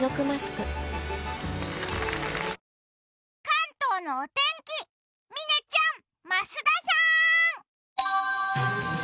関東のお天気、嶺ちゃーん、増田さーん。